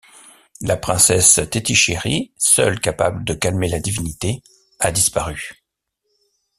La princesse Théti-Chéri, seule capable de calmer la divinité, a disparu.